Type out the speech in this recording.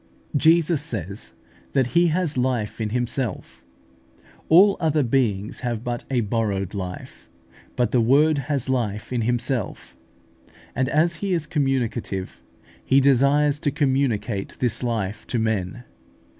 Jesus says that He has life in Himself; all other beings have but a borrowed life, but the Word has life in Himself; and as He is communicative, He desires to communicate this life to men.